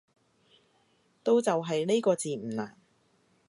都就係呢個字唔難